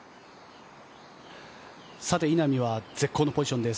稲見は絶好のポジションです。